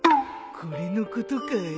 これのことかい？